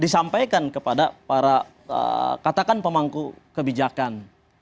disampaikan kepada para katakan pemangku kebijakan